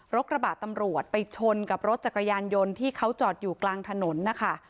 กระบะตำรวจไปชนกับรถจักรยานยนต์ที่เขาจอดอยู่กลางถนนนะคะ